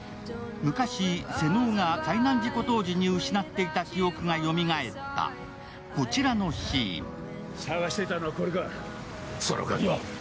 昔、瀬能が海難事故当時に失っていた記憶がよみがえったこちらのシーン。